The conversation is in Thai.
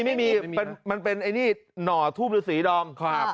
ไม่มีมันเป็นหนอทูปลือสีดอม